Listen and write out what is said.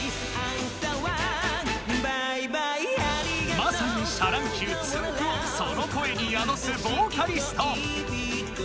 まさに「シャ乱Ｑ」つんく♂をその声に宿すボーカリスト